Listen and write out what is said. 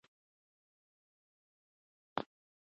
لوستې میندې د ماشوم بدن پاک ساتي.